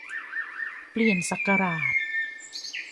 เปลี่ยนศักราช